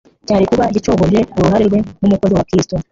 cyari kuba gicogoje uruhare rwe nk'umukozi wa Kristo.